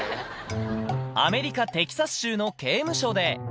アメリカ・テキサス州の刑務所で。